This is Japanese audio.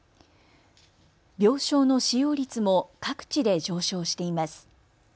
病床の使用率も各地で上昇しています。